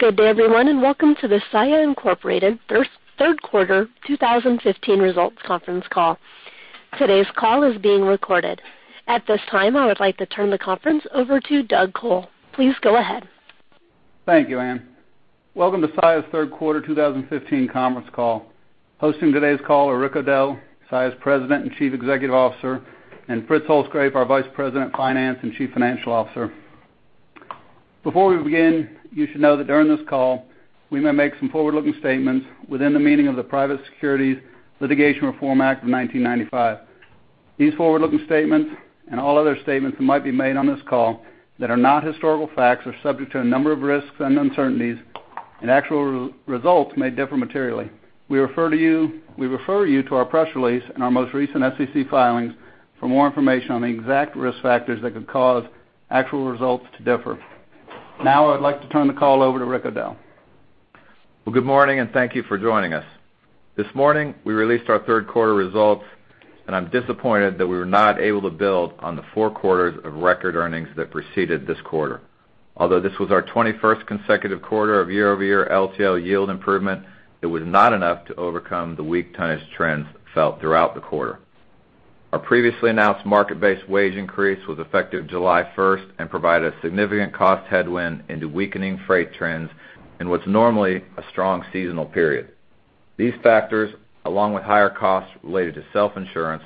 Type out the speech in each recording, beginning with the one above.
Good day, everyone, and welcome to the Saia, Inc. Third Quarter 2015 Results Conference Call. Today's call is being recorded. At this time, I would like to turn the conference over to Doug Col. Please go ahead. Thank you, Anne. Welcome to Saia's Third Quarter 2015 conference call. Hosting today's call are Rick O'Dell, Saia's President and Chief Executive Officer, and Fritz Holzgrefe, our Vice President, Finance, and Chief Financial Officer. Before we begin, you should know that during this call, we may make some forward-looking statements within the meaning of the Private Securities Litigation Reform Act of 1995. These forward-looking statements, and all other statements that might be made on this call that are not historical facts, are subject to a number of risks and uncertainties, and actual results may differ materially. We refer you to our press release and our most recent SEC filings for more information on the exact risk factors that could cause actual results to differ. Now, I'd like to turn the call over to Rick O'Dell. Well, good morning, and thank you for joining us. This morning, we released our third quarter results, and I'm disappointed that we were not able to build on the four quarters of record earnings that preceded this quarter. Although this was our 21st consecutive quarter of year-over-year LTL yield improvement, it was not enough to overcome the weak tonnage trends felt throughout the quarter. Our previously announced market-based wage increase was effective July 1st and provided a significant cost headwind into weakening freight trends in what's normally a strong seasonal period. These factors, along with higher costs related to self-insurance,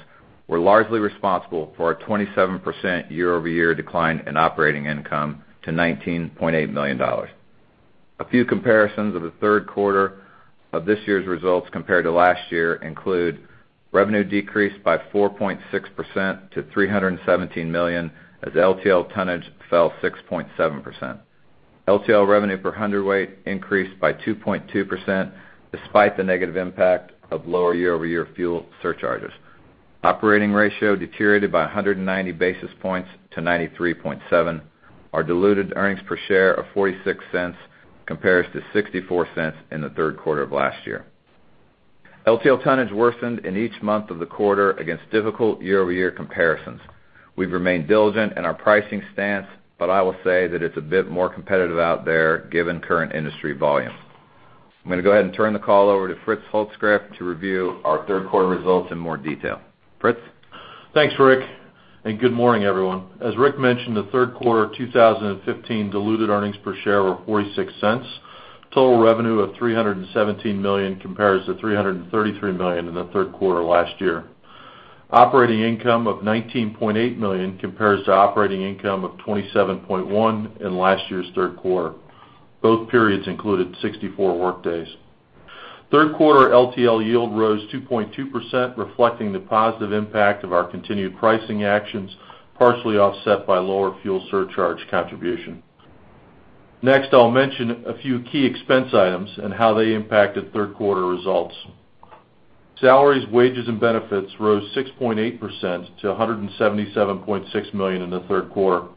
were largely responsible for our 27% year-over-year decline in operating income to $19.8 million. A few comparisons of the third quarter of this year's results compared to last year include: revenue decreased by 4.6% to $317 million, as LTL tonnage fell 6.7%. LTL revenue per hundredweight increased by 2.2%, despite the negative impact of lower year-over-year fuel surcharges. Operating ratio deteriorated by 190 basis points to 93.7. Our diluted earnings per share of $0.46 compares to $0.64 in the third quarter of last year. LTL tonnage worsened in each month of the quarter against difficult year-over-year comparisons. We've remained diligent in our pricing stance, but I will say that it's a bit more competitive out there, given current industry volume. I'm going to go ahead and turn the call over to Fritz Holzgrefe to review our third quarter results in more detail. Fritz? Thanks, Rick, and good morning, everyone. As Rick mentioned, the third quarter of 2015 diluted earnings per share were $0.46. Total revenue of $317 million compares to $333 million in the third quarter last year. Operating income of $19.8 million compares to operating income of $27.1 million in last year's third quarter. Both periods included 64 workdays. Third quarter LTL yield rose 2.2%, reflecting the positive impact of our continued pricing actions, partially offset by lower fuel surcharge contribution. Next, I'll mention a few key expense items and how they impacted third quarter results. Salaries, wages, and benefits rose 6.8% to $177.6 million in the third quarter.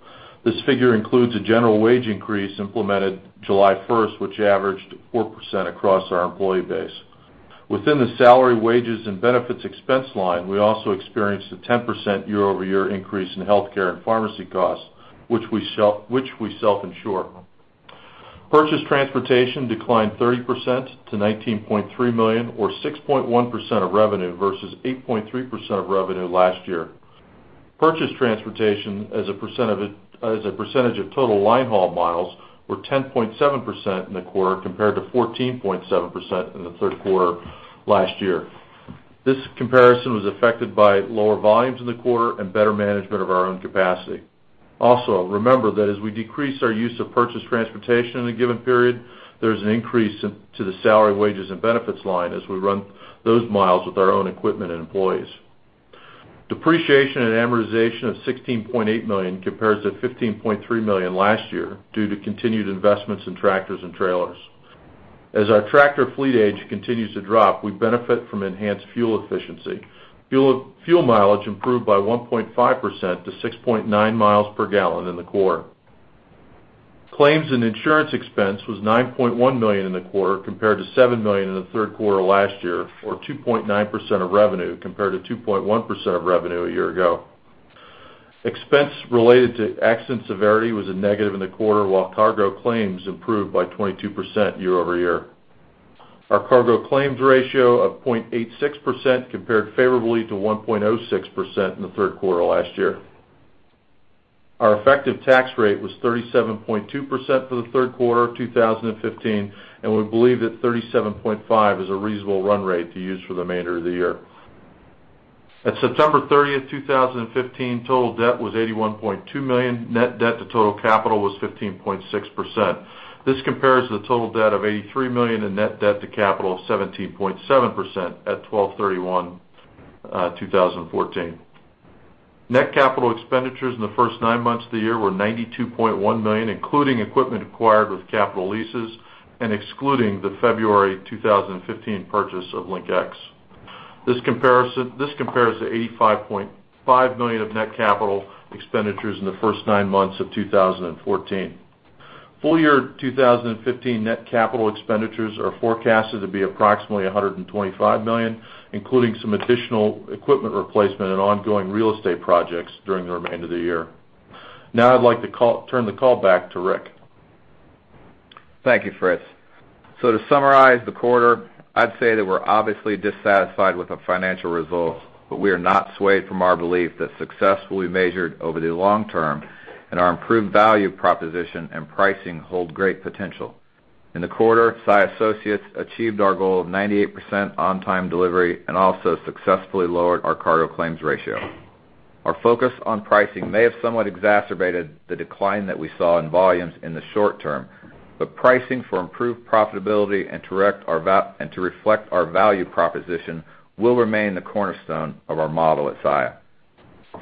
This figure includes a general wage increase implemented July 1st, which averaged 4% across our employee base. Within the salary, wages, and benefits expense line, we also experienced a 10% year-over-year increase in healthcare and pharmacy costs, which we self-insure. Purchased transportation declined 30% to $19.3 million, or 6.1% of revenue versus 8.3% of revenue last year. Purchased transportation as a percentage of total line haul miles were 10.7% in the quarter, compared to 14.7% in the third quarter last year. This comparison was affected by lower volumes in the quarter and better management of our own capacity. Also, remember that as we decrease our use of purchased transportation in a given period, there's an increase to the salary, wages, and benefits line as we run those miles with our own equipment and employees. Depreciation and amortization of $16.8 million compares to $15.3 million last year due to continued investments in tractors and trailers. As our tractor fleet age continues to drop, we benefit from enhanced fuel efficiency. Fuel mileage improved by 1.5% to 6.9 miles per gallon in the quarter. Claims and insurance expense was $9.1 million in the quarter, compared to $7 million in the third quarter last year, or 2.9% of revenue, compared to 2.1% of revenue a year ago. Expense related to accident severity was a negative in the quarter, while cargo claims improved by 22% year-over-year. Our cargo claims ratio of 0.86% compared favorably to 1.06% in the third quarter last year. Our effective tax rate was 37.2% for the third quarter of 2015, and we believe that 37.5 is a reasonable run rate to use for the remainder of the year. At September 30, 2015, total debt was $81.2 million. Net debt to total capital was 15.6%. This compares to the total debt of $83 million and net debt to capital of 17.7% at December 31, 2014. Net capital expenditures in the first nine months of the year were $92.1 million, including equipment acquired with capital leases and excluding the February 2015 purchase of LinkEx. This compares to $85.5 million of net capital expenditures in the first nine months of 2014. Full year 2015 net capital expenditures are forecasted to be approximately $125 million, including some additional equipment replacement and ongoing real estate projects during the remainder of the year. Now I'd like to turn the call back to Rick. ...Thank you, Fritz. To summarize the quarter, I'd say that we're obviously dissatisfied with the financial results, but we are not swayed from our belief that success will be measured over the long term, and our improved value proposition and pricing hold great potential. In the quarter, Saia associates achieved our goal of 98% on-time delivery and also successfully lowered our cargo claims ratio. Our focus on pricing may have somewhat exacerbated the decline that we saw in volumes in the short term, but pricing for improved profitability and to reflect our value proposition will remain the cornerstone of our model at Saia.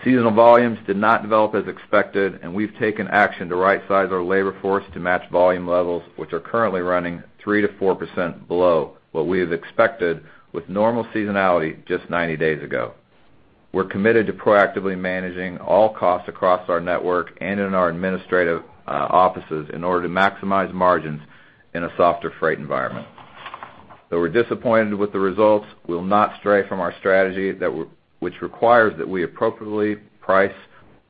Seasonal volumes did not develop as expected, and we've taken action to rightsize our labor force to match volume levels, which are currently running 3%-4% below what we had expected with normal seasonality just 90 days ago. We're committed to proactively managing all costs across our network and in our administrative offices in order to maximize margins in a softer freight environment. Though we're disappointed with the results, we'll not stray from our strategy that which requires that we appropriately price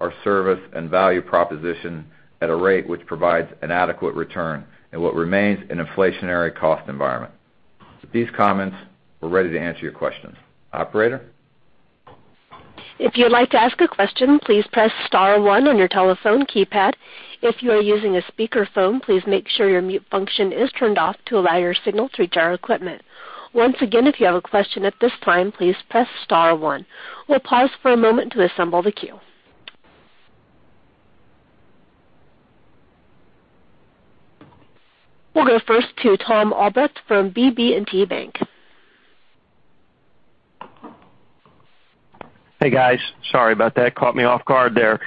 our service and value proposition at a rate which provides an adequate return, and what remains an inflationary cost environment. With these comments, we're ready to answer your questions. Operator? If you'd like to ask a question, please press star one on your telephone keypad. If you are using a speakerphone, please make sure your mute function is turned off to allow your signal to reach our equipment. Once again, if you have a question at this time, please press star one. We'll pause for a moment to assemble the queue. We'll go first to Tom Albrecht from BB&T Capital Markets. Hey, guys. Sorry about that, caught me off guard there.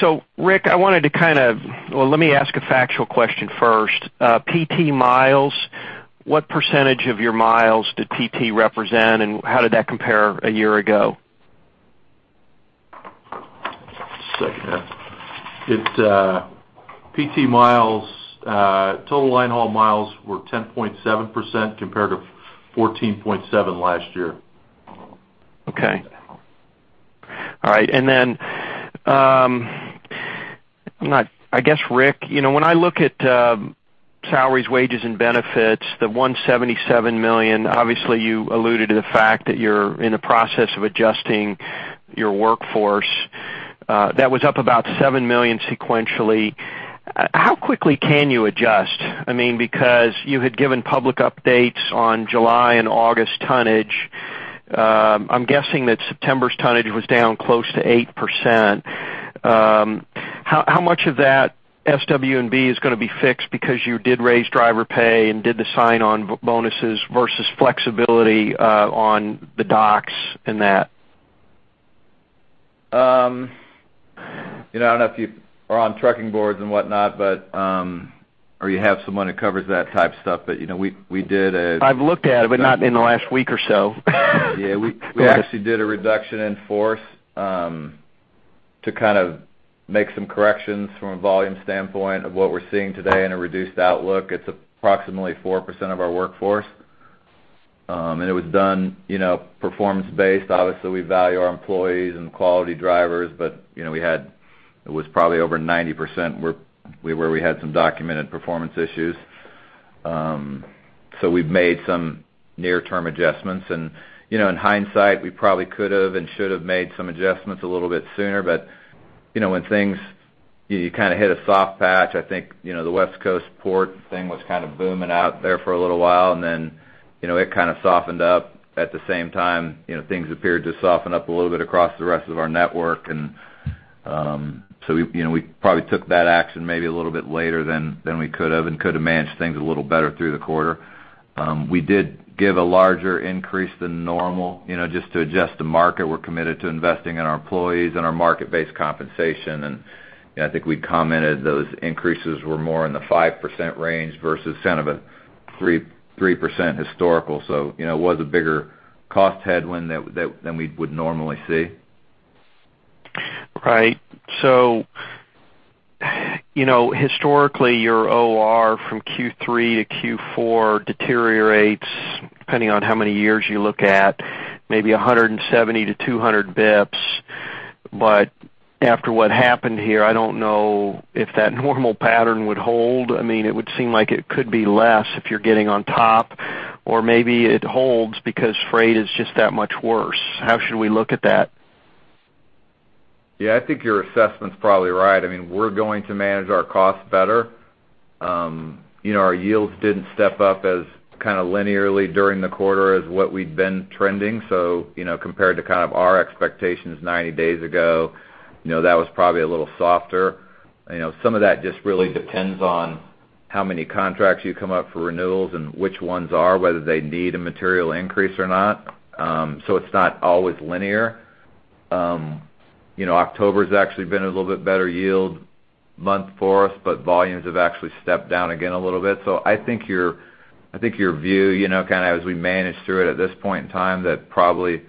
So Rick, I wanted to kind of... Well, let me ask a factual question first. PT miles, what percentage of your miles did PT represent, and how did that compare a year ago? Just a second. It's PT miles, total line haul miles were 10.7%, compared to 14.7% last year. Okay. All right, and then, not, I guess, Rick, you know, when I look at salaries, wages, and benefits, the $177 million, obviously, you alluded to the fact that you're in the process of adjusting your workforce. That was up about $7 million sequentially. How quickly can you adjust? I mean, because you had given public updates on July and August tonnage, I'm guessing that September's tonnage was down close to 8%. How much of that SW&B is gonna be fixed because you did raise driver pay and did the sign-on bonuses versus flexibility on the docks and that? You know, I don't know if you are on trucking boards and whatnot, but or you have someone who covers that type of stuff, but, you know, we did a- I've looked at it, but not in the last week or so. Yeah, we- Go ahead. We actually did a reduction in force to kind of make some corrections from a volume standpoint of what we're seeing today in a reduced outlook. It's approximately 4% of our workforce, and it was done, you know, performance-based. Obviously, we value our employees and quality drivers, but, you know, we had... It was probably over 90%, where, where we had some documented performance issues. So we've made some near-term adjustments, and, you know, in hindsight, we probably could've and should've made some adjustments a little bit sooner. But, you know, when things, you kind of hit a soft patch, I think, you know, the West Coast port thing was kind of booming out there for a little while, and then, you know, it kind of softened up. At the same time, you know, things appeared to soften up a little bit across the rest of our network, and so we, you know, we probably took that action maybe a little bit later than we could've and could have managed things a little better through the quarter. We did give a larger increase than normal, you know, just to adjust the market. We're committed to investing in our employees and our market-based compensation. Yeah, I think we commented those increases were more in the 5% range versus kind of a 3%-3% historical. So, you know, it was a bigger cost headwind than we would normally see. Right. So, you know, historically, your OR from Q3 to Q4 deteriorates, depending on how many years you look at, maybe 170-200 bps. But after what happened here, I don't know if that normal pattern would hold. I mean, it would seem like it could be less if you're getting on top, or maybe it holds because freight is just that much worse. How should we look at that? Yeah, I think your assessment is probably right. I mean, we're going to manage our costs better. You know, our yields didn't step up as kind of linearly during the quarter as what we've been trending. So, you know, compared to kind of our expectations 90 days ago, you know, that was probably a little softer. You know, some of that just really depends on how many contracts you come up for renewals and which ones are, whether they need a material increase or not. So it's not always linear. You know, October's actually been a little bit better yield month for us, but volumes have actually stepped down again a little bit. So I think your view, you know, kind of as we manage through it at this point in time, that probably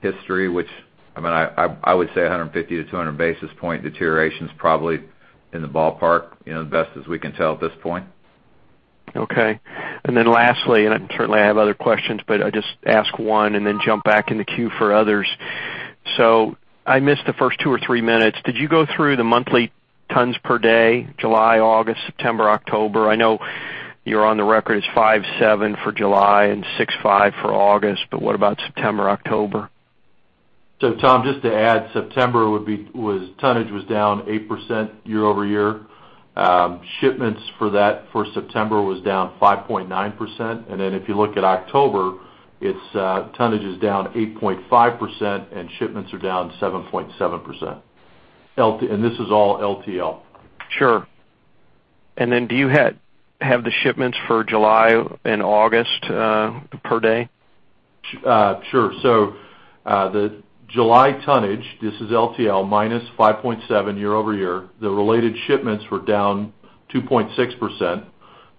history, which, I mean, I would say 150-200 basis points deterioration is probably in the ballpark, you know, as best as we can tell at this point.... Okay. And then lastly, and I certainly have other questions, but I just ask one and then jump back in the queue for others. So I missed the first two or three minutes. Did you go through the monthly tons per day, July, August, September, October? I know you're on the record as 5.7 for July and 6.5 for August, but what about September, October? So Tom, just to add, September would be—was tonnage was down 8% year-over-year. Shipments for that, for September was down 5.9%. And then if you look at October, it's, tonnage is down 8.5%, and shipments are down 7.7%. And this is all LTL. Sure. And then do you have the shipments for July and August per day? Sure. So, the July tonnage, this is LTL, minus 5.7% year-over-year. The related shipments were down 2.6%.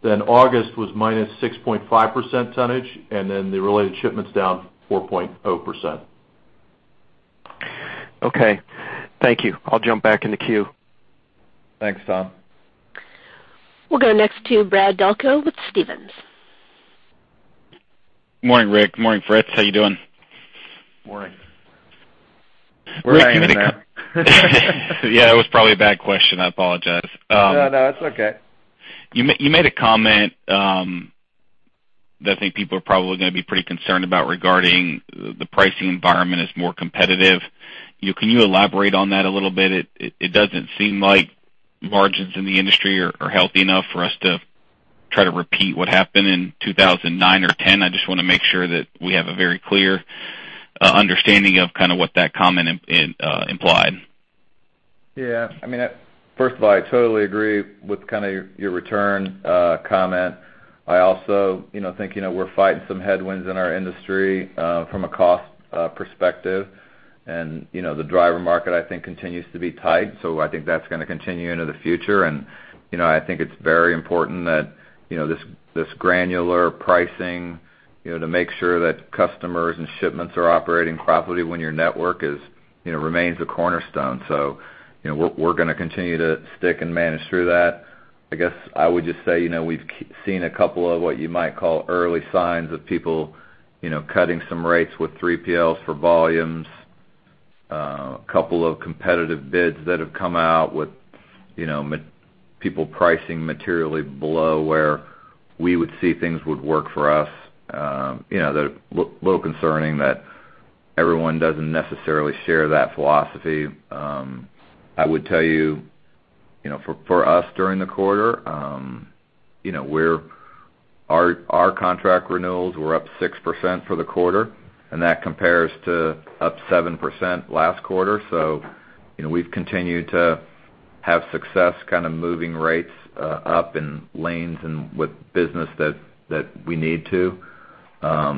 Then August was minus 6.5% tonnage, and then the related shipments down 4.0%. Okay, thank you. I'll jump back in the queue. Thanks, Tom. We'll go next to Brad Delco with Stephens. Morning, Rick. Morning, Fritz. How you doing? Morning. Rick, you made yeah, it was probably a bad question. I apologize. No, no, it's okay. You made a comment that I think people are probably gonna be pretty concerned about regarding the pricing environment is more competitive. Can you elaborate on that a little bit? It doesn't seem like margins in the industry are healthy enough for us to try to repeat what happened in 2009 or 2010. I just wanna make sure that we have a very clear understanding of kind of what that comment implied. Yeah. I mean, first of all, I totally agree with kind of your return comment. I also, you know, think, you know, we're fighting some headwinds in our industry from a cost perspective. And, you know, the driver market, I think, continues to be tight, so I think that's gonna continue into the future. And, you know, I think it's very important that, you know, this granular pricing, you know, to make sure that customers and shipments are operating properly when your network, you know, remains the cornerstone. So, you know, we're gonna continue to stick and manage through that. I guess I would just say, you know, we've seen a couple of what you might call early signs of people, you know, cutting some rates with 3PL for volumes, a couple of competitive bids that have come out with, you know, people pricing materially below where we would see things would work for us. You know, they're a little concerning that everyone doesn't necessarily share that philosophy. I would tell you, you know, for us, during the quarter, you know, our contract renewals were up 6% for the quarter, and that compares to up 7% last quarter. So, you know, we've continued to have success kind of moving rates up in lanes and with business that we need to. So, I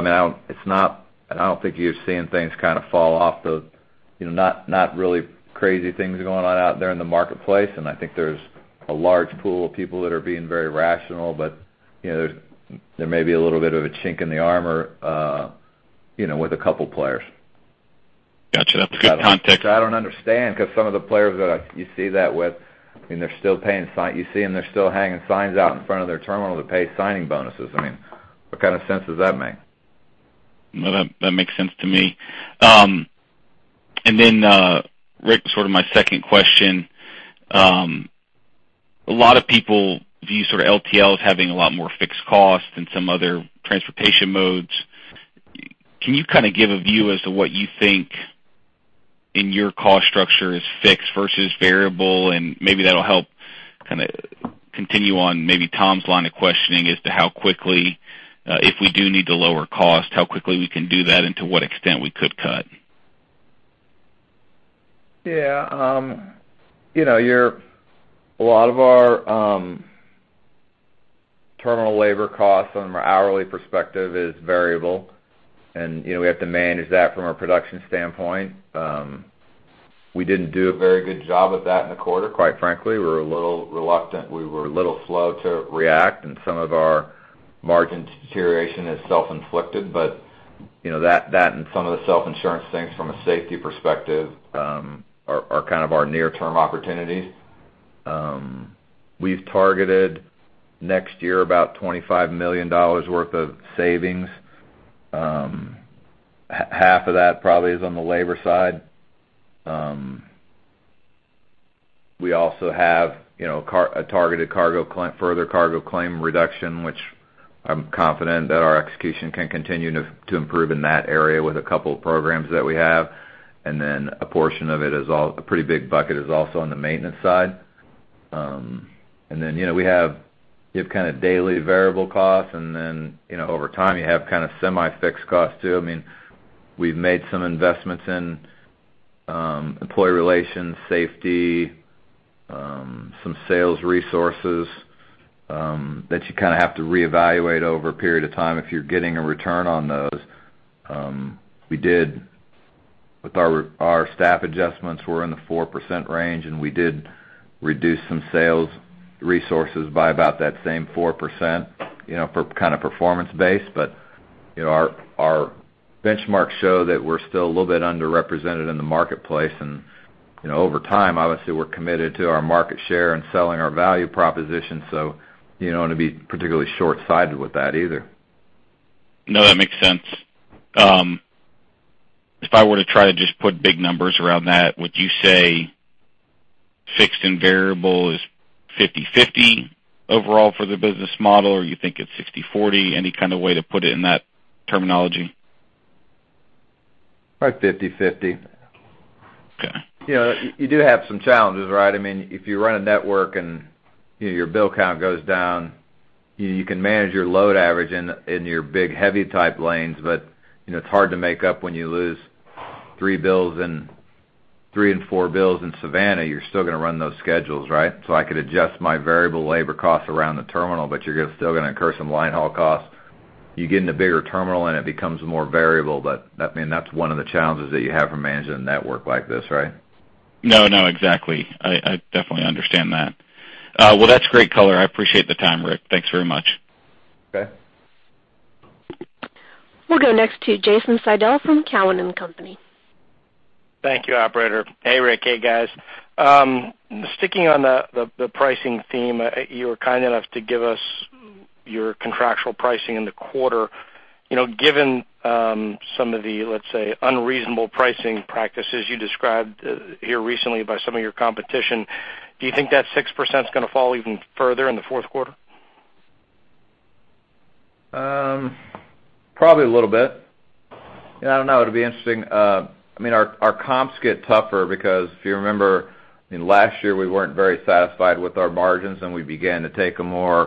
mean, I don't... It's not—I don't think you're seeing things kind of fall off the, you know, not, not really crazy things going on out there in the marketplace. And I think there's a large pool of people that are being very rational, but, you know, there's, there may be a little bit of a chink in the armor, you know, with a couple players. Gotcha. That's a good context. Which I don't understand, because some of the players that you see that with, and they're still paying signing bonuses, you see them, they're still hanging signs out in front of their terminal to pay signing bonuses. I mean, what kind of sense does that make? Well, that, that makes sense to me. And then, Rick, sort of my second question. A lot of people view sort of LTL as having a lot more fixed costs than some other transportation modes. Can you kind of give a view as to what you think in your cost structure is fixed versus variable? And maybe that'll help kind of continue on maybe Tom's line of questioning as to how quickly, if we do need to lower cost, how quickly we can do that and to what extent we could cut. Yeah, you know, a lot of our terminal labor costs from an hourly perspective is variable, and, you know, we have to manage that from a production standpoint. We didn't do a very good job of that in the quarter, quite frankly. We were a little reluctant. We were a little slow to react, and some of our margin deterioration is self-inflicted. But, you know, that, that and some of the self-insurance things from a safety perspective, are, are kind of our near-term opportunities. We've targeted next year about $25 million worth of savings. Half of that probably is on the labor side. We also have, you know, a targeted cargo claim, further cargo claim reduction, which I'm confident that our execution can continue to, to improve in that area with a couple of programs that we have. Then a portion of it is also a pretty big bucket on the maintenance side. And then, you know, we have kind of daily variable costs, and then, you know, over time, you have kind of semi-fixed costs, too. I mean, we've made some investments in employee relations, safety, some sales resources that you kind of have to reevaluate over a period of time if you're getting a return on those. With our staff adjustments were in the 4% range, and we did reduce some sales resources by about that same 4%, you know, for kind of performance-based. But... You know, our, our benchmarks show that we're still a little bit underrepresented in the marketplace, and, you know, over time, obviously, we're committed to our market share and selling our value proposition, so you don't want to be particularly short-sighted with that either. No, that makes sense. If I were to try to just put big numbers around that, would you say fixed and variable is 50/50 overall for the business model, or you think it's 60/40? Any kind of way to put it in that terminology? About fifty-fifty. Okay. You know, you do have some challenges, right? I mean, if you run a network and, you know, your bill count goes down, you can manage your load average in your big, heavy type lanes. But, you know, it's hard to make up when you lose 3 bills in 3 and 4 bills in Savannah, you're still gonna run those schedules, right? So I could adjust my variable labor costs around the terminal, but you're still gonna incur some line haul costs. You get in a bigger terminal, and it becomes more variable. But, I mean, that's one of the challenges that you have from managing a network like this, right? No, no, exactly. I definitely understand that. Well, that's great color. I appreciate the time, Rick. Thanks very much. Okay. We'll go next to Jason Seidl from Cowen and Company. Thank you, operator. Hey, Rick. Hey, guys. Sticking on the pricing theme, you were kind enough to give us your contractual pricing in the quarter. You know, given some of the, let's say, unreasonable pricing practices you described here recently by some of your competition, do you think that 6% is gonna fall even further in the fourth quarter? Probably a little bit. I don't know. It'll be interesting. I mean, our comps get tougher because if you remember, in last year, we weren't very satisfied with our margins, and we began to take a more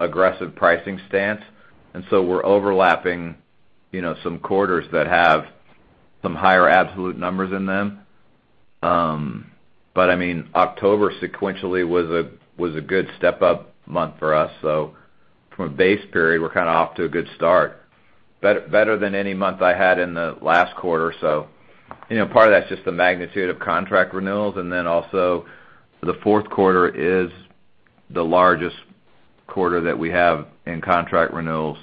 aggressive pricing stance, and so we're overlapping, you know, some quarters that have some higher absolute numbers in them. But I mean, October sequentially was a good step-up month for us, so from a base period, we're kind of off to a good start. Better than any month I had in the last quarter, so, you know, part of that's just the magnitude of contract renewals, and then also, the fourth quarter is the largest quarter that we have in contract renewals.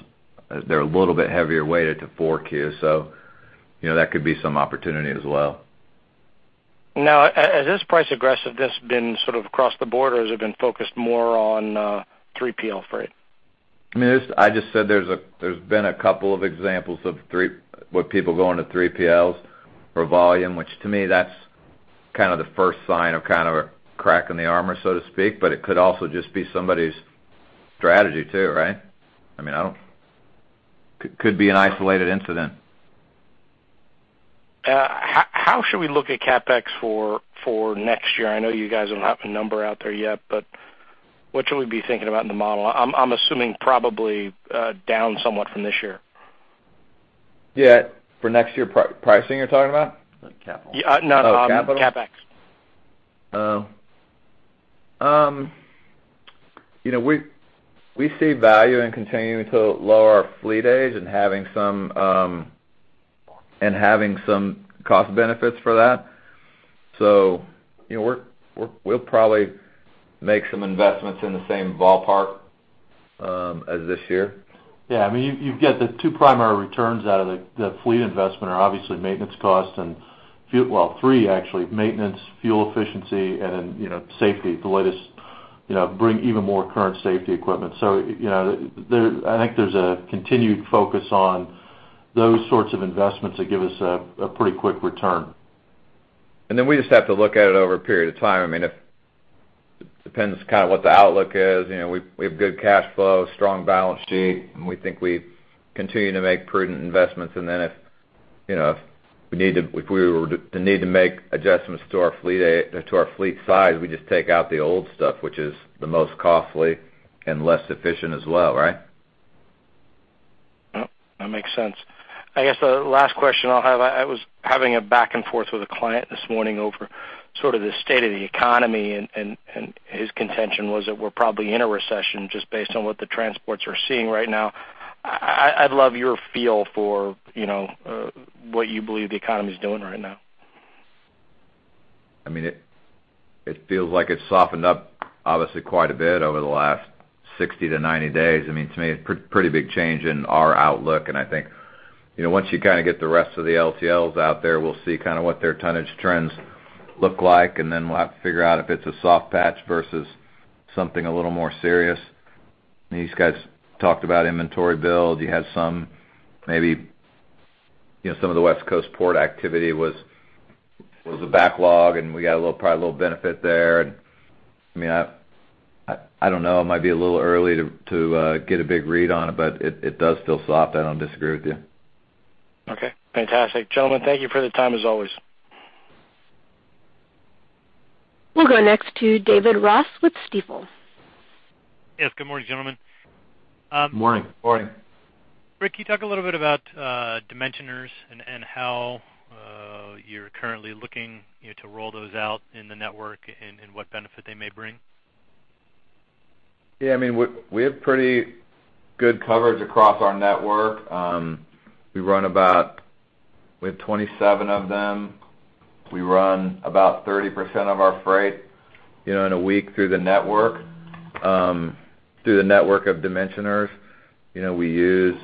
They're a little bit heavier weighted to 4Q, so, you know, that could be some opportunity as well. Now, has this price aggressiveness been sort of across the board, or has it been focused more on 3PL freight? I mean, I just said there's been a couple of examples with people going to 3PLs for volume, which to me, that's kind of the first sign of kind of a crack in the armor, so to speak, but it could also just be somebody's strategy, too, right? I mean, could be an isolated incident. How should we look at CapEx for next year? I know you guys don't have a number out there yet, but what should we be thinking about in the model? I'm assuming probably down somewhat from this year. Yeah, for next year, pricing, you're talking about? Capital. Yeah, no. Oh, capital? CapEx. Oh. You know, we see value in continuing to lower our fleet age and having some and having some cost benefits for that. So, you know, we'll probably make some investments in the same ballpark as this year. Yeah, I mean, you, you've got the two primary returns out of the fleet investment are obviously maintenance costs and fuel... Well, three actually, maintenance, fuel efficiency and, you know, safety. The latest, you know, bring even more current safety equipment. So, you know, there, I think there's a continued focus on those sorts of investments that give us a pretty quick return. And then we just have to look at it over a period of time. I mean, it depends kind of what the outlook is. You know, we, we have good cash flow, strong balance sheet, and we think we continue to make prudent investments. And then, you know, if we need to. If we were to need to make adjustments to our fleet size, we just take out the old stuff, which is the most costly and less efficient as well, right? Yep, that makes sense. I guess the last question I'll have. I was having a back and forth with a client this morning over sort of the state of the economy, and his contention was that we're probably in a recession just based on what the transports are seeing right now. I'd love your feel for, you know, what you believe the economy is doing right now. I mean, it feels like it's softened up, obviously, quite a bit over the last 60-90 days. I mean, to me, a pretty big change in our outlook, and I think, you know, once you kind of get the rest of the LTLs out there, we'll see kind of what their tonnage trends look like, and then we'll have to figure out if it's a soft patch versus something a little more serious. These guys talked about inventory build. You had some, maybe, you know, some of the West Coast port activity was a backlog, and we got a little, probably a little benefit there. I mean, I don't know. It might be a little early to get a big read on it, but it does feel soft. I don't disagree with you. Okay, fantastic. Gentlemen, thank you for the time, as always. We'll go next to David Ross with Stifel. Yes, good morning, gentlemen. Good morning. Morning. Rick, can you talk a little bit about dimensioners and how you're currently looking, you know, to roll those out in the network and what benefit they may bring? Yeah, I mean, we, we have pretty good coverage across our network. We run about. We have 27 of them. We run about 30% of our freight, you know, in a week through the network through the network of dimensioners. You know, we use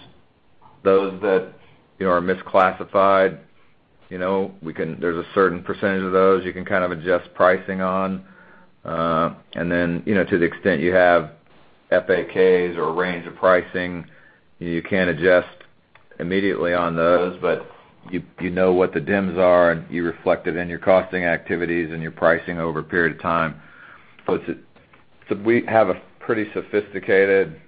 those that, you know, are misclassified. You know, we can-- there's a certain percentage of those you can kind of adjust pricing on. And then, you know, to the extent you have FAKs or a range of pricing, you can adjust immediately on those, but you, you know what the dims are, and you reflect it in your costing activities and your pricing over a period of time. So we have a pretty sophisticated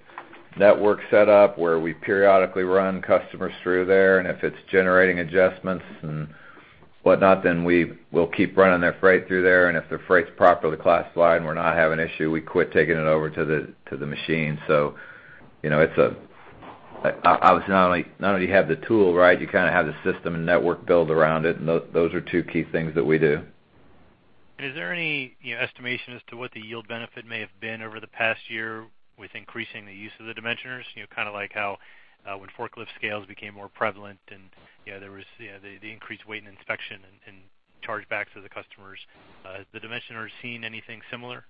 network set up, where we periodically run customers through there, and if it's generating adjustments and whatnot, then we will keep running their freight through there. And if their freight's properly classified, and we're not having an issue, we quit taking it over to the machine. So, you know, it's obviously not only do you have the tool, right? You kind of have the system and network built around it, and those are two key things that we do. Is there any, you know, estimation as to what the yield benefit may have been over the past year with increasing the use of the dimensioners? You know, kind of like how, when forklift scales became more prevalent, and, yeah, there was, you know, the increased weight and inspection and chargebacks to the customers. Has the dimensioners seen anything similar?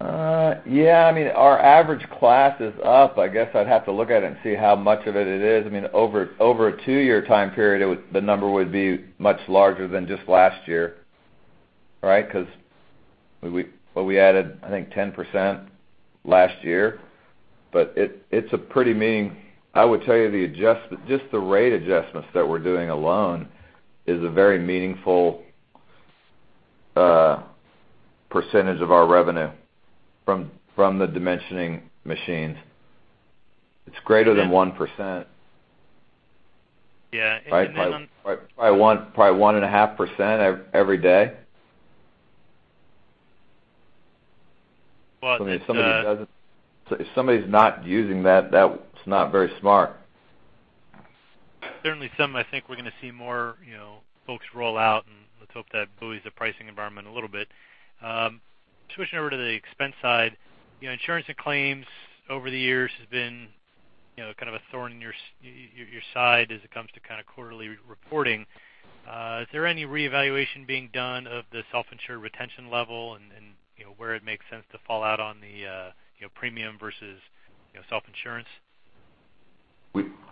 Yeah, I mean, our average class is up. I guess I'd have to look at it and see how much of it it is. I mean, over a two-year time period, it would—the number would be much larger than just last year, right? Because we, well, we added, I think, 10% last year, but it, it's a pretty mean. I would tell you, just the rate adjustments that we're doing alone is a very meaningful percentage of our revenue from, from the dimensioning machines. It's greater than 1%. Yeah, and then on- Probably 1, probably 1.5% every day. But it's If somebody's not using that, that's not very smart. Certainly some I think we're going to see more, you know, folks roll out, and let's hope that buoys the pricing environment a little bit. Switching over to the expense side, you know, insurance and claims over the years has been, you know, kind of a thorn in your side as it comes to kind of quarterly reporting. Is there any reevaluation being done of the self-insured retention level and, and, you know, where it makes sense to fall out on the, you know, premium versus, you know, self-insurance?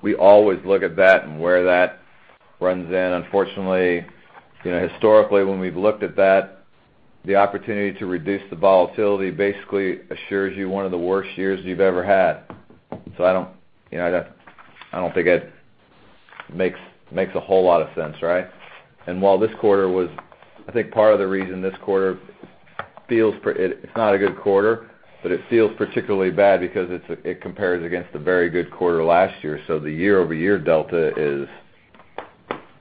We always look at that and where that runs in. Unfortunately, you know, historically, when we've looked at that, the opportunity to reduce the volatility basically assures you one of the worst years you've ever had. So I don't, you know, think it makes a whole lot of sense, right? And while this quarter was... I think part of the reason this quarter feels pretty-- it's not a good quarter, but it feels particularly bad because it compares against a very good quarter last year. So the year-over-year delta is-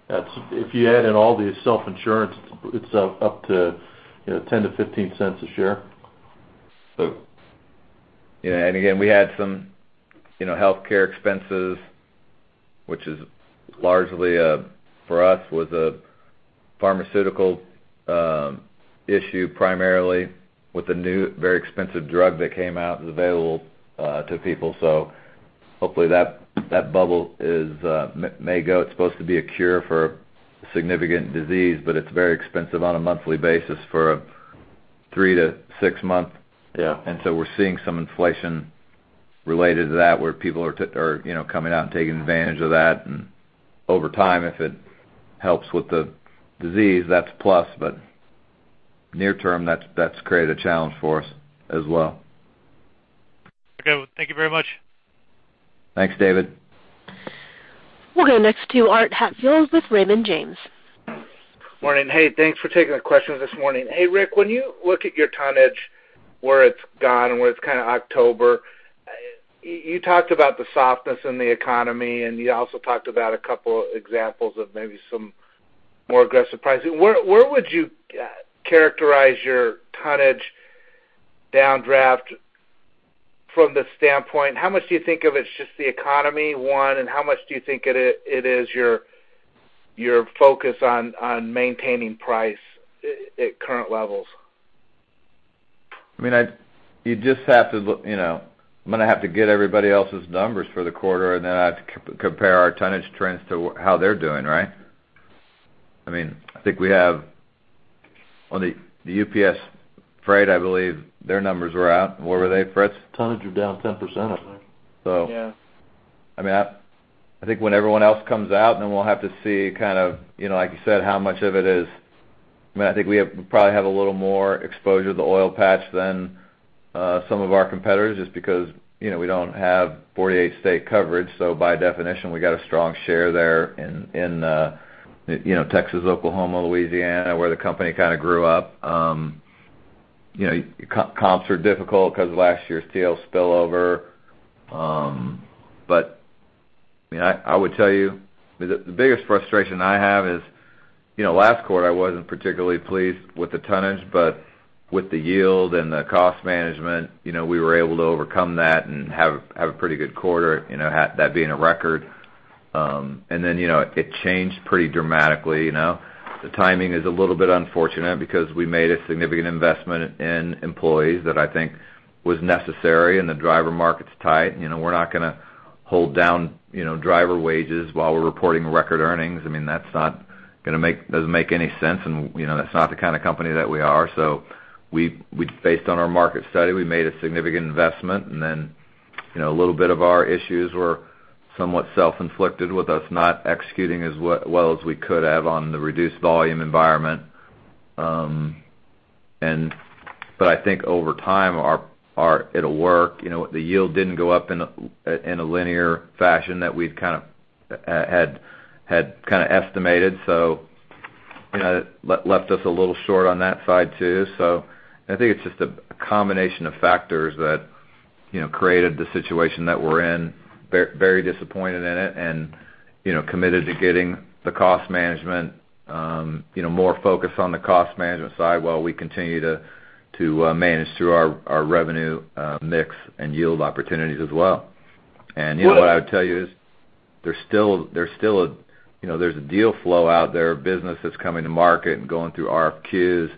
That's, if you add in all the self-insurance, it's up, up to, you know, $0.10-$0.15 a share. Yeah, and again, we had some, you know, healthcare expenses, which is largely, for us, was a pharmaceutical issue, primarily with a new, very expensive drug that came out and is available to people. So hopefully that bubble is may go. It's supposed to be a cure for significant disease, but it's very expensive on a monthly basis for a 3-6 month. Yeah. And so we're seeing some inflation related to that, where people are, you know, coming out and taking advantage of that. Over time, if it helps with the disease, that's a plus, but near term, that's, that's created a challenge for us as well. Okay. Thank you very much. Thanks, David. We'll go next to Art Hatfield with Raymond James. Morning. Hey, thanks for taking the question this morning. Hey, Rick, when you look at your tonnage, where it's gone and where it's kind of October, you talked about the softness in the economy, and you also talked about a couple of examples of maybe some more aggressive pricing. Where would you characterize your tonnage downdraft from the standpoint? How much do you think of it's just the economy, one, and how much do you think it is your focus on maintaining price at current levels? I mean, you just have to look, you know, I'm going to have to get everybody else's numbers for the quarter, and then I have to compare our tonnage trends to how they're doing, right? I mean, I think we have on the UPS Freight, I believe their numbers were out. What were they, Fritz? Tonnage was down 10%, I think. So- Yeah. I mean, I think when everyone else comes out, then we'll have to see kind of, you know, like you said, how much of it is... I mean, I think we probably have a little more exposure to the oil patch than some of our competitors, just because, you know, we don't have 48-state coverage. So by definition, we got a strong share there in, you know, Texas, Oklahoma, Louisiana, where the company kind of grew up. You know, comps are difficult because of last year's TL spillover. But, I mean, I would tell you, the biggest frustration I have is, you know, last quarter, I wasn't particularly pleased with the tonnage, but with the yield and the cost management, you know, we were able to overcome that and have a pretty good quarter, you know, that being a record. And then, you know, it changed pretty dramatically, you know? The timing is a little bit unfortunate because we made a significant investment in employees that I think was necessary, and the driver market's tight. You know, we're not gonna hold down, you know, driver wages while we're reporting record earnings. I mean, that's not gonna make—doesn't make any sense, and, you know, that's not the kind of company that we are. So we based on our market study, we made a significant investment, and then, you know, a little bit of our issues were somewhat self-inflicted, with us not executing as well as we could have on the reduced volume environment. I think over time, our it'll work. You know, the yield didn't go up in a linear fashion that we'd kind of had kind of estimated, so, you know, that left us a little short on that side, too. So I think it's just a combination of factors that, you know, created the situation that we're in. Very disappointed in it and, you know, committed to getting the cost management, you know, more focused on the cost management side while we continue to manage through our revenue mix and yield opportunities as well. You know, what I would tell you is there's still a deal flow out there, business that's coming to market and going through RFQs.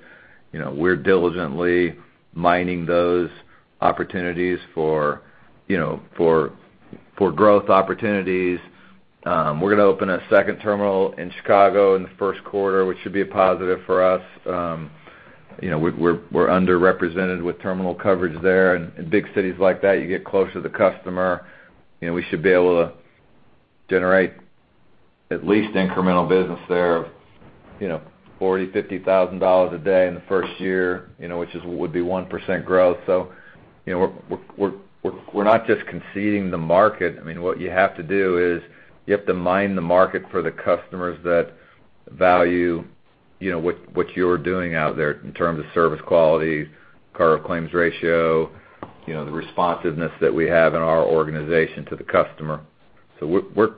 You know, we're diligently mining those opportunities for growth opportunities. We're gonna open a second terminal in Chicago in the first quarter, which should be a positive for us. You know, we're not just conceding the market. You know, we should be able to generate at least incremental business there of, you know, $40,000-$50,000 a day in the first year, you know, which would be 1% growth. I mean, what you have to do is, you have to mine the market for the customers that value, you know, what, what you're doing out there in terms of service quality, cargo claims ratio, you know, the responsiveness that we have in our organization to the customer. So we're, we're,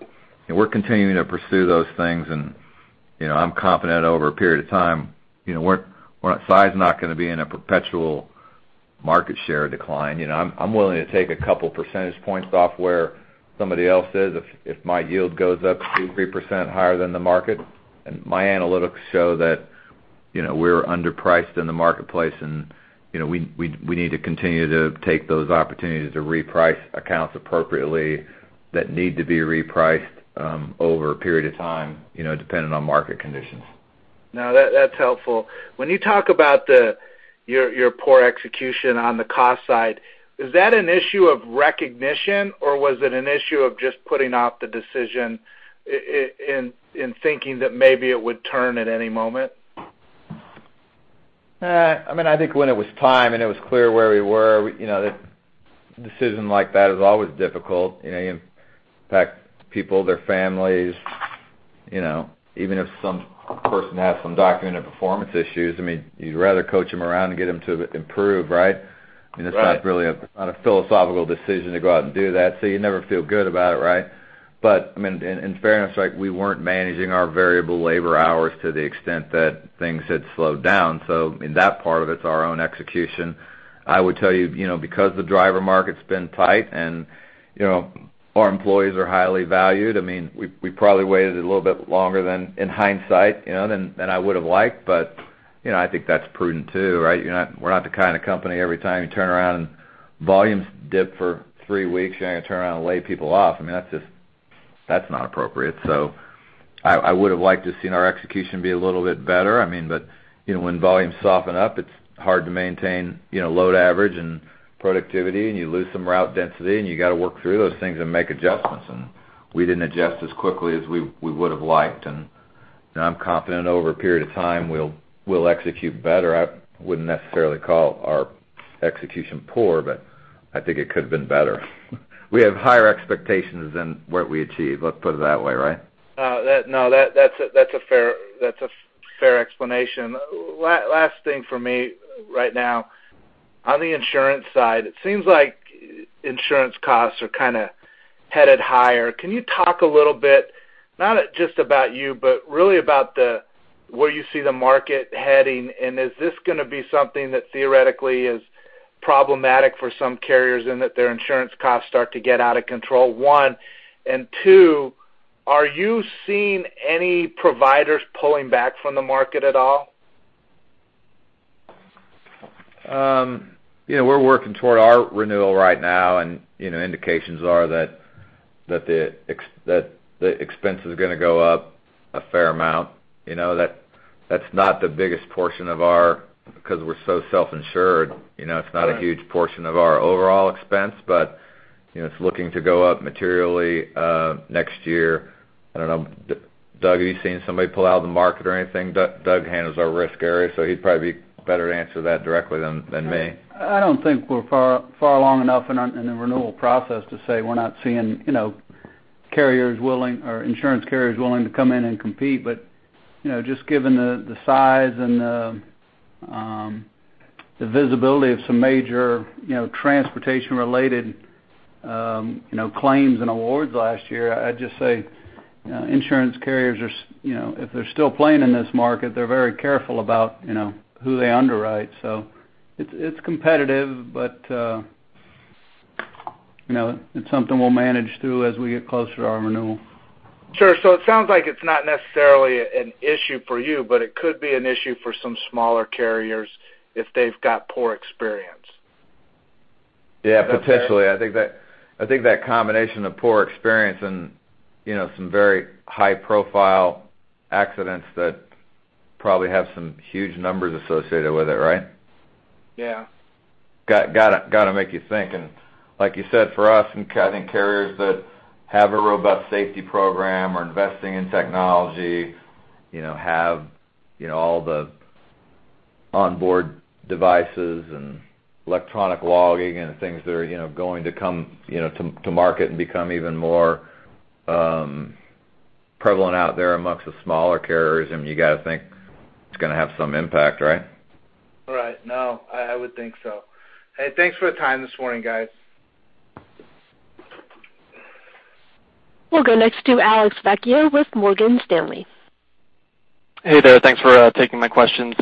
and we're continuing to pursue those things, and, you know, I'm confident over a period of time, you know, we're, we're, size is not gonna be in a perpetual market share decline. You know, I'm, I'm willing to take a couple percentage points off where somebody else is, if, if my yield goes up 2%-3% higher than the market. My analytics show that, you know, we're underpriced in the marketplace, and, you know, we need to continue to take those opportunities to reprice accounts appropriately that need to be repriced, over a period of time, you know, depending on market conditions. No, that's helpful. When you talk about your poor execution on the cost side, is that an issue of recognition, or was it an issue of just putting off the decision in thinking that maybe it would turn at any moment? I mean, I think when it was time, and it was clear where we were, you know, a decision like that is always difficult. You know, you impact people, their families, you know, even if some person has some documented performance issues, I mean, you'd rather coach them around and get them to improve, right? Right. And it's not really a philosophical decision to go out and do that, so you never feel good about it, right? But, I mean, in fairness, like, we weren't managing our variable labor hours to the extent that things had slowed down. So in that part of it, it's our own execution. I would tell you, you know, because the driver market's been tight and, you know, our employees are highly valued, I mean, we probably waited a little bit longer than, in hindsight, you know, than I would've liked. But, you know, I think that's prudent too, right? You're not, we're not the kind of company, every time you turn around and volumes dip for three weeks, you're gonna turn around and lay people off. I mean, that's just, that's not appropriate. So, I would've liked to seen our execution be a little bit better. I mean, but, you know, when volumes soften up, it's hard to maintain, you know, load average and productivity, and you lose some route density, and you gotta work through those things and make adjustments. And we didn't adjust as quickly as we would've liked, and, you know, I'm confident over a period of time, we'll execute better. I wouldn't necessarily call our execution poor, but I think it could have been better. We have higher expectations than what we achieved, let's put it that way, right? No, that's a fair explanation. Last thing for me right now. On the insurance side, it seems like insurance costs are kind of headed higher. Can you talk a little bit, not just about you, but really about the, where you see the market heading, and is this gonna be something that theoretically is problematic for some carriers and that their insurance costs start to get out of control, one? And two, are you seeing any providers pulling back from the market at all? You know, we're working toward our renewal right now, and, you know, indications are that the expenses are gonna go up a fair amount. You know, that's not the biggest portion of our... Because we're so self-insured, you know- Right... it's not a huge portion of our overall expense, but, you know, it's looking to go up materially next year. I don't know. Doug, have you seen somebody pull out of the market or anything? Doug handles our risk area, so he'd probably be better to answer that directly than me. I don't think we're far along enough in the renewal process to say we're not seeing, you know, carriers willing or insurance carriers willing to come in and compete. But, you know, just given the size and the visibility of some major, you know, transportation-related, you know, claims and awards last year, I'd just say, you know, insurance carriers are, you know, if they're still playing in this market, they're very careful about, you know, who they underwrite. So it's competitive, but-... you know, it's something we'll manage through as we get closer to our renewal. Sure. So it sounds like it's not necessarily an issue for you, but it could be an issue for some smaller carriers if they've got poor experience. Yeah, potentially. I think that, I think that combination of poor experience and, you know, some very high-profile accidents that probably have some huge numbers associated with it, right? Yeah. Got to make you think. And like you said, for us and carrying carriers that have a robust safety program or investing in technology, you know, have you know all the onboard devices and electronic logging and things that are you know going to come you know to market and become even more prevalent out there amongst the smaller carriers, and you got to think it's going to have some impact, right? Right. No, I would think so. Hey, thanks for the time this morning, guys. We'll go next to Alex Vecchio with Morgan Stanley. Hey there. Thanks for taking my questions.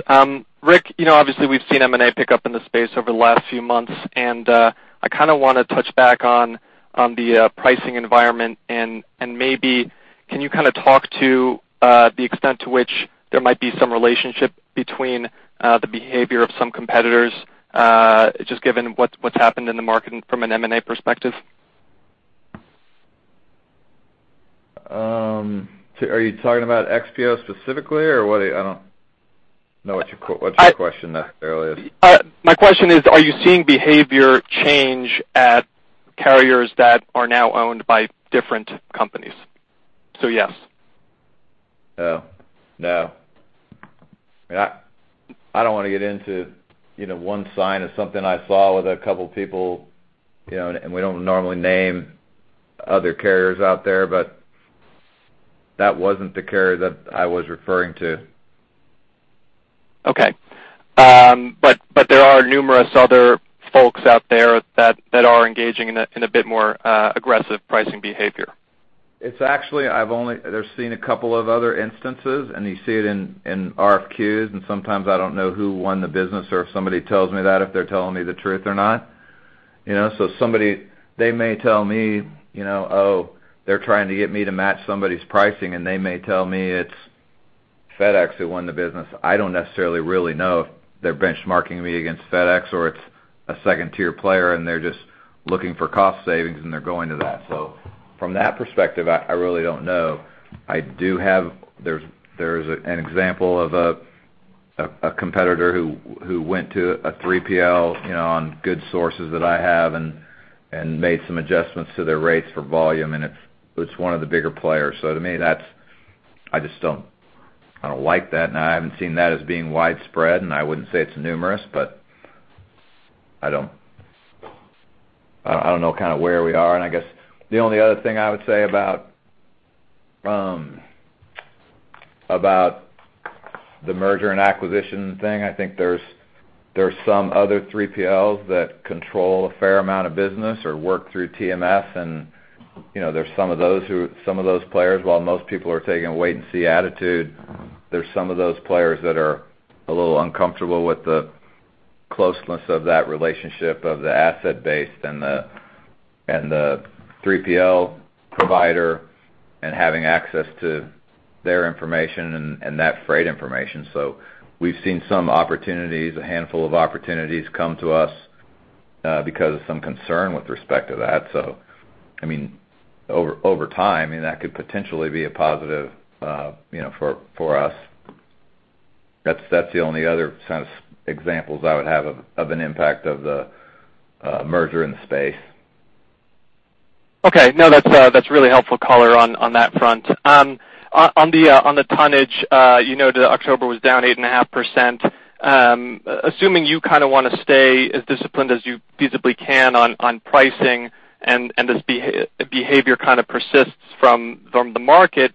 Rick, you know, obviously, we've seen M&A pick up in the space over the last few months, and I kind of want to touch back on the pricing environment, and maybe can you kind of talk to the extent to which there might be some relationship between the behavior of some competitors, just given what's happened in the market from an M&A perspective? So, are you talking about XPO specifically, or what? I don't know what your question there is. My question is, are you seeing behavior change at carriers that are now owned by different companies? So, yes. Oh, no. Yeah, I don't want to get into, you know, one sign of something I saw with a couple people, you know, and we don't normally name other carriers out there, but that wasn't the carrier that I was referring to. Okay. But there are numerous other folks out there that are engaging in a bit more aggressive pricing behavior. It's actually. I've only... There's been a couple of other instances, and you see it in RFQs, and sometimes I don't know who won the business, or if somebody tells me that, if they're telling me the truth or not, you know? So somebody, they may tell me, you know, "Oh, they're trying to get me to match somebody's pricing," and they may tell me it's FedEx who won the business. I don't necessarily really know if they're benchmarking me against FedEx, or it's a second-tier player, and they're just looking for cost savings, and they're going to that. So from that perspective, I really don't know. I do have... There's an example of a competitor who went to a 3PL, you know, on good sources that I have and made some adjustments to their rates for volume, and it's one of the bigger players. So to me, that's. I just don't like that, and I haven't seen that as being widespread, and I wouldn't say it's numerous, but I don't know kind of where we are. And I guess the only other thing I would say about the merger and acquisition thing, I think there's some other 3PLs that control a fair amount of business or work through TMS. And, you know, there's some of those players, while most people are taking a wait-and-see attitude, there's some of those players that are a little uncomfortable with the closeness of that relationship of the asset base and the 3PL provider and having access to their information and that freight information. So we've seen some opportunities, a handful of opportunities come to us, because of some concern with respect to that. So, I mean, over time, I mean, that could potentially be a positive, you know, for us. That's the only other sense examples I would have of an impact of the merger in the space. Okay. No, that's really helpful color on that front. On the tonnage, you know that October was down 8.5%. Assuming you kind of want to stay as disciplined as you feasibly can on pricing and this behavior kind of persists from the market,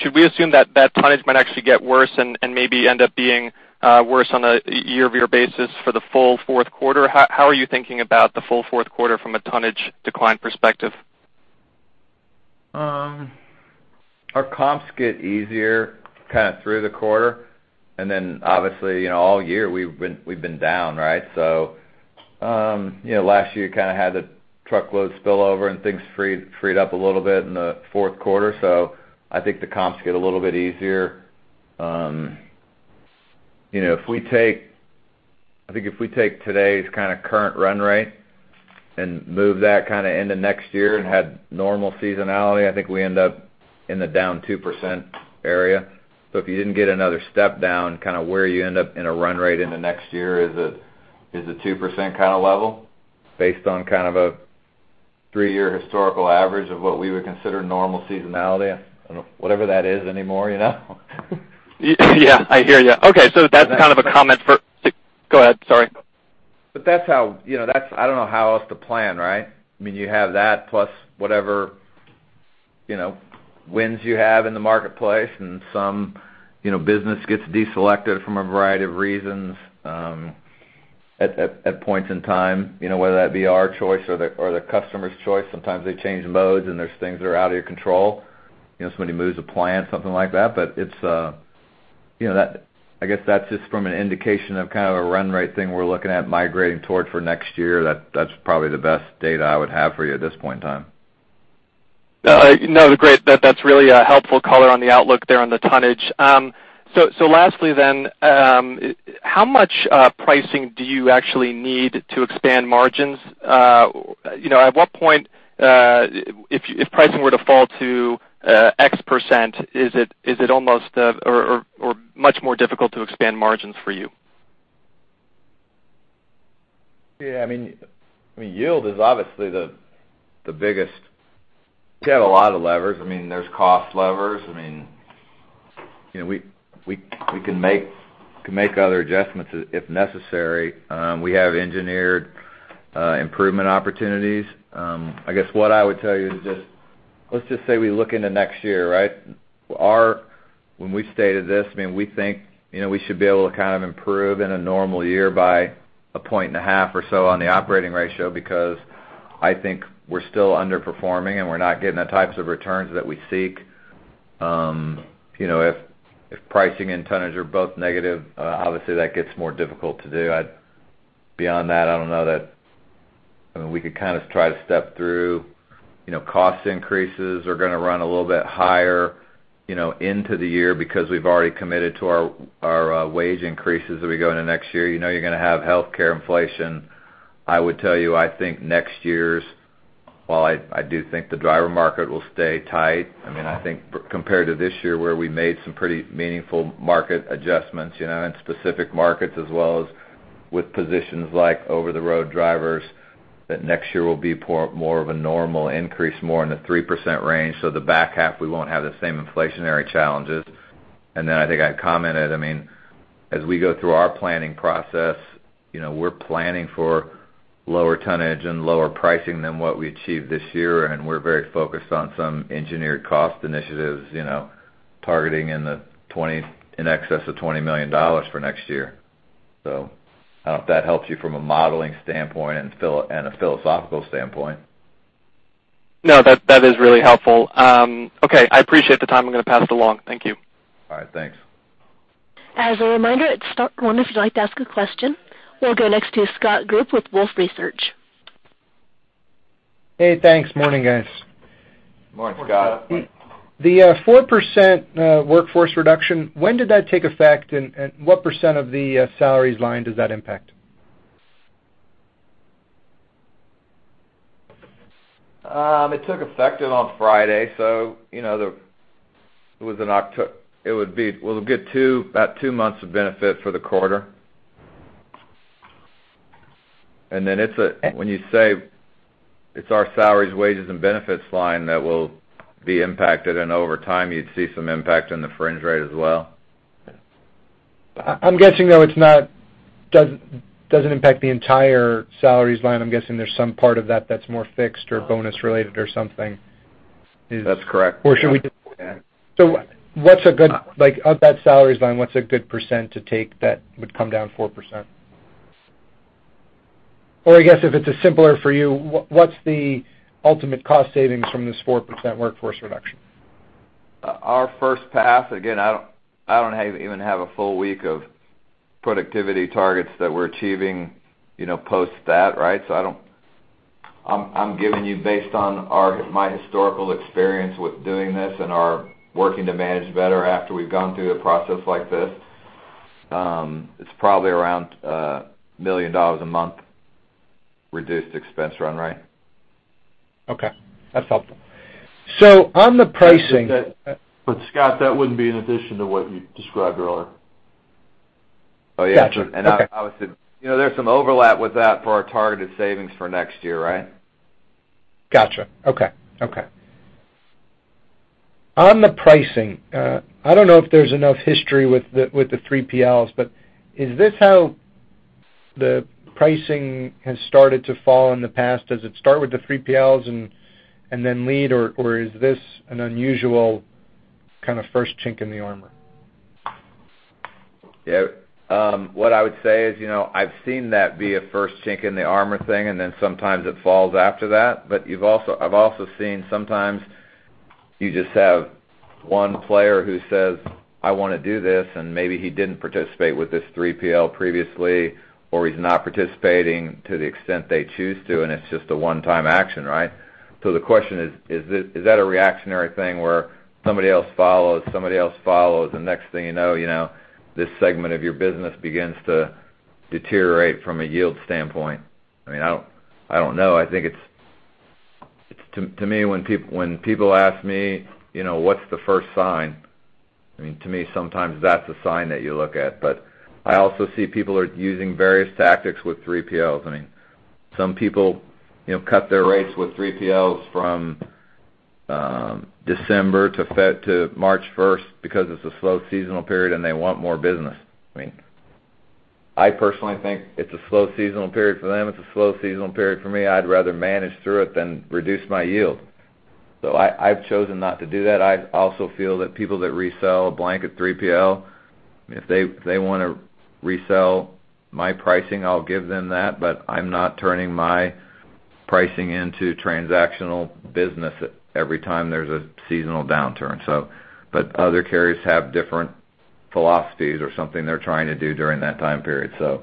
should we assume that that tonnage might actually get worse and maybe end up being worse on a year-over-year basis for the full fourth quarter? How are you thinking about the full fourth quarter from a tonnage decline perspective? Our comps get easier kind of through the quarter, and then obviously, you know, all year we've been, we've been down, right? So, you know, last year kind of had the truckload spillover, and things freed, freed up a little bit in the fourth quarter. So I think the comps get a little bit easier. You know, I think if we take today's kind of current run rate and move that kind of into next year and had normal seasonality, I think we end up in the down 2% area. So if you didn't get another step down, kind of where you end up in a run rate in the next year is a, is a 2% kind of level, based on kind of a three-year historical average of what we would consider normal seasonality, and whatever that is anymore, you know? Yeah, I hear you. Okay, so that's kind of a comment for... Go ahead, sorry. But that's how. You know, that's—I don't know how else to plan, right? I mean, you have that plus whatever, you know, wins you have in the marketplace, and some, you know, business gets deselected from a variety of reasons, at points in time, you know, whether that be our choice or the customer's choice. Sometimes they change modes, and there's things that are out of your control, you know, somebody moves a plant, something like that. But it's. You know, that, I guess that's just an indication of kind of a run rate thing we're looking at migrating toward for next year. That's probably the best data I would have for you at this point in time. You know, great. That, that's really a helpful color on the outlook there on the tonnage. So, so lastly then, how much pricing do you actually need to expand margins? You know, at what point, if, if pricing were to fall to X%, is it, is it almost, or, or, or much more difficult to expand margins for you? Yeah, I mean, yield is obviously the biggest. We have a lot of levers. I mean, there's cost levers. I mean, you know, we can make other adjustments if necessary. We have engineered improvement opportunities. I guess what I would tell you is just, let's just say we look into next year, right? When we stated this, I mean, we think, you know, we should be able to kind of improve in a normal year by 1.5 points or so on the operating ratio, because I think we're still underperforming, and we're not getting the types of returns that we seek. You know, if pricing and tonnage are both negative, obviously, that gets more difficult to do. Beyond that, I don't know that, I mean, we could kind of try to step through, you know, cost increases are going to run a little bit higher, you know, into the year because we've already committed to our, our, wage increases as we go into next year. You know, you're going to have healthcare inflation. I would tell you, I think next year's, while I do think the driver market will stay tight, I mean, I think compared to this year, where we made some pretty meaningful market adjustments, you know, in specific markets, as well as with positions like over-the-road drivers, that next year will be more of a normal increase, more in the 3% range. So the back half, we won't have the same inflationary challenges. And then I think I commented, I mean, as we go through our planning process, you know, we're planning for lower tonnage and lower pricing than what we achieved this year, and we're very focused on some engineered cost initiatives, you know, targeting in excess of $20 million for next year. So I don't know if that helps you from a modeling standpoint and from a philosophical standpoint. No, that, that is really helpful. Okay, I appreciate the time. I'm going to pass it along. Thank you. All right. Thanks. As a reminder, it's star one if you'd like to ask a question. We'll go next to Scott Group with Wolfe Research. Hey, thanks. Morning, guys. Morning, Scott. Morning. The 4% workforce reduction, when did that take effect, and, and what % of the salaries line does that impact? It took effect on Friday, so you know, it would be—we'll get about two months of benefit for the quarter. And then, when you say it's our salaries, wages, and benefits line that will be impacted, and over time, you'd see some impact in the fringe rate as well. I'm guessing, though, it's not, doesn't impact the entire salaries line. I'm guessing there's some part of that that's more fixed or bonus related or something. That's correct. Or should we just- Yeah. So what's a good... Like, of that salaries line, what's a good percent to take that would come down 4%? Or I guess if it's simpler for you, what, what's the ultimate cost savings from this 4% workforce reduction? Our first pass, again, I don't even have a full week of productivity targets that we're achieving, you know, post that, right? So I don't. I'm giving you based on my historical experience with doing this and our working to manage better after we've gone through a process like this. It's probably around $1 million a month, reduced expense run rate. Okay, that's helpful. So on the pricing- But, Scott, that wouldn't be in addition to what you described earlier. Oh, yeah. Got you. Okay. I would say, you know, there's some overlap with that for our targeted savings for next year, right? Gotcha. Okay. Okay. On the pricing, I don't know if there's enough history with the, with the 3PLs, but is this how the pricing has started to fall in the past? Does it start with the 3PLs and, and then lead, or, or is this an unusual kind of first chink in the armor? Yeah. What I would say is, you know, I've seen that be a first chink in the armor thing, and then sometimes it falls after that. But you've also- I've also seen sometimes you just have one player who says, "I want to do this," and maybe he didn't participate with this 3PL previously, or he's not participating to the extent they choose to, and it's just a one-time action, right? So the question is: Is that, is that a reactionary thing where somebody else follows, somebody else follows, the next thing you know, you know, this segment of your business begins to deteriorate from a yield standpoint? I mean, I don't, I don't know. I think it's, to, to me, when people ask me, you know, what's the first sign? I mean, to me, sometimes that's a sign that you look at. But I also see people are using various tactics with 3PLs. I mean, some people, you know, cut their rates with 3PLs from December to February to March first because it's a slow seasonal period, and they want more business. I mean, I personally think it's a slow seasonal period for them. It's a slow seasonal period for me. I'd rather manage through it than reduce my yield. So I've chosen not to do that. I also feel that people that resell a blanket 3PL, if they, they want to resell my pricing, I'll give them that, but I'm not turning my pricing into transactional business every time there's a seasonal downturn. So, but other carriers have different philosophies or something they're trying to do during that time period. So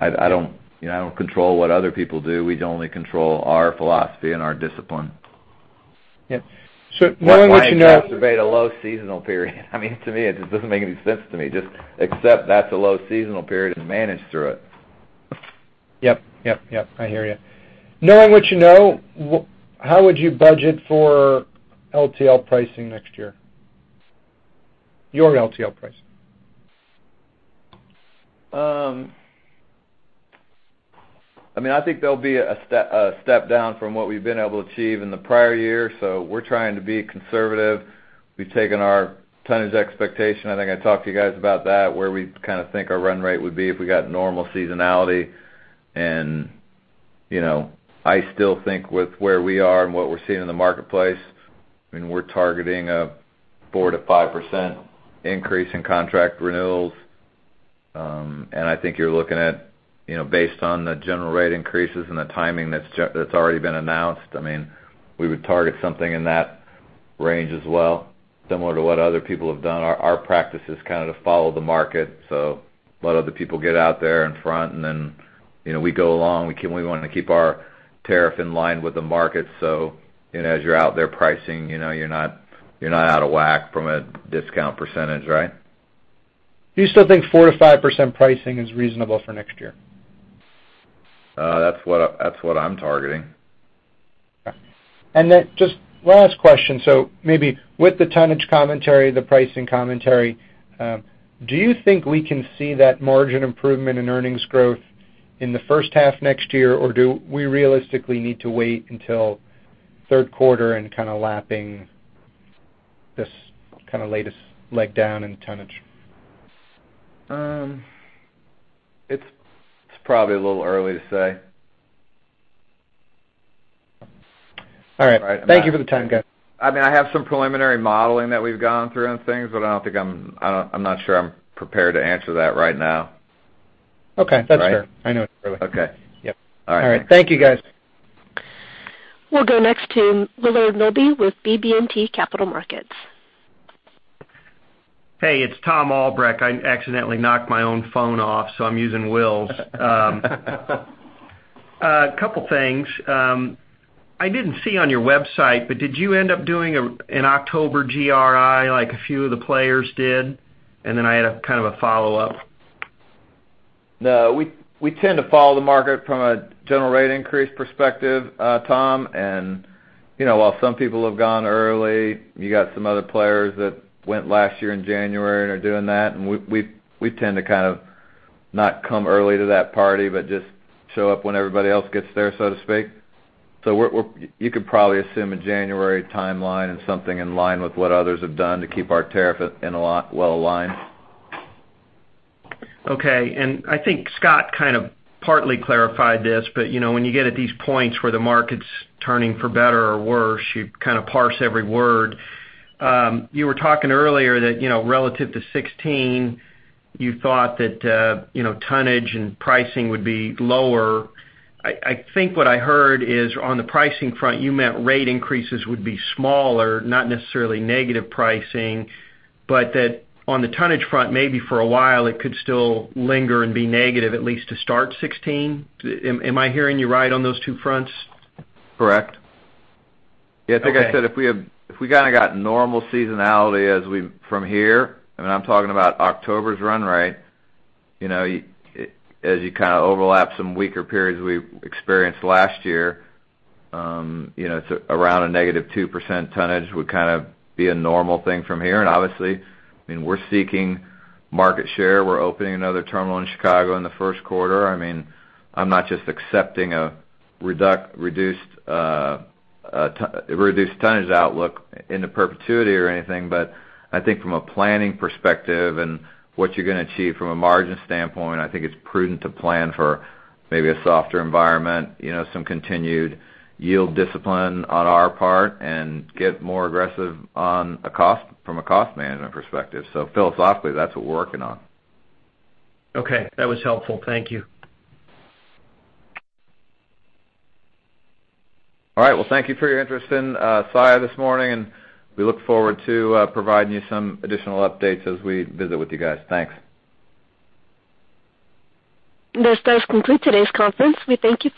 I don't, you know, I don't control what other people do. We only control our philosophy and our discipline. Yep. So knowing what you know- Why exacerbate a low seasonal period? I mean, to me, it just doesn't make any sense to me. Just accept that's a low seasonal period and manage through it. Yep, yep, yep, I hear you. Knowing what you know, how would you budget for LTL pricing next year? Your LTL pricing. I mean, I think there'll be a step, a step down from what we've been able to achieve in the prior year, so we're trying to be conservative. We've taken our tonnage expectation. I think I talked to you guys about that, where we kind of think our run rate would be if we got normal seasonality. And, you know, I still think with where we are and what we're seeing in the marketplace, I mean, we're targeting a 4%-5% increase in contract renewals. And I think you're looking at, you know, based on the general rate increases and the timing that's already been announced, I mean, we would target something in that range as well, similar to what other people have done. Our practice is kind of to follow the market, so let other people get out there in front, and then, you know, we go along. We want to keep our tariff in line with the market. So, and as you're out there pricing, you know, you're not out of whack from a discount percentage, right? Do you still think 4%-5% pricing is reasonable for next year? That's what I, that's what I'm targeting. Okay. Just last question. Maybe with the tonnage commentary, the pricing commentary, do you think we can see that margin improvement in earnings growth in the first half next year, or do we realistically need to wait until third quarter and kind of lapping this kind of latest leg down in tonnage? It's probably a little early to say. All right. All right. Thank you for the time, guys. I mean, I have some preliminary modeling that we've gone through and things, but I'm not sure I'm prepared to answer that right now. Okay, that's fair. Right? I know it's early. Okay. Yep. All right. All right. Thank you, guys. We'll go next to Willard Milby with BB&T Capital Markets. Hey, it's Tom Albrecht. I accidentally knocked my own phone off, so I'm using Will's. A couple things. I didn't see on your website, but did you end up doing an October GRI like a few of the players did? And then I had a kind of a follow-up. No, we tend to follow the market from a general rate increase perspective, Tom. You know, while some people have gone early, you got some other players that went last year in January and are doing that. We tend to kind of not come early to that party, but just show up when everybody else gets there, so to speak. You could probably assume a January timeline and something in line with what others have done to keep our tariff in alignment. Okay. And I think Scott kind of partly clarified this, but, you know, when you get at these points where the market's turning for better or worse, you kind of parse every word. You were talking earlier that, you know, relative to 2016, you thought that, you know, tonnage and pricing would be lower. I think what I heard is, on the pricing front, you meant rate increases would be smaller, not necessarily negative pricing, but that on the tonnage front, maybe for a while, it could still linger and be negative, at least to start 2016. Am I hearing you right on those two fronts? Correct. Okay. Yes, like I said, if we kind of got normal seasonality as we from here, and I'm talking about October's run rate, you know, as you kind of overlap some weaker periods we experienced last year, you know, it's around a -2% tonnage would kind of be a normal thing from here. And obviously, I mean, we're seeking market share. We're opening another terminal in Chicago in the first quarter. I mean, I'm not just accepting a reduced tonnage outlook into perpetuity or anything, but I think from a planning perspective and what you're going to achieve from a margin standpoint, I think it's prudent to plan for maybe a softer environment, you know, some continued yield discipline on our part, and get more aggressive on a cost, from a cost management perspective. So philosophically, that's what we're working on. Okay, that was helpful. Thank you. All right. Well, thank you for your interest in Saia this morning, and we look forward to providing you some additional updates as we visit with you guys. Thanks. This does conclude today's conference. We thank you for-